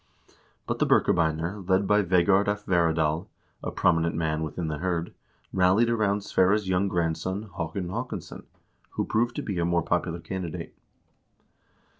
But the Birkebeiner, led by Vegard af Veradal, a prominent man within the hird, rallied around Sverre's young grandson Haakon Haakonsson, who proved to be a more popular candidate.